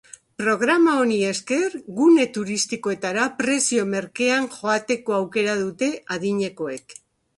Programa honi esker, gune turistikoetara prezio merkean joateko aukera dute adinekoek.